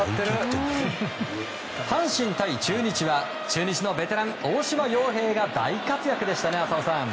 阪神対中日は中日のベテラン、大島洋平が大活躍でしたね、浅尾さん。